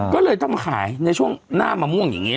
ก็เลยต้องขายในช่วงหน้ามะม่วงอย่างนี้